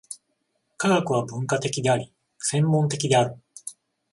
科学は分科的であり、専門的である。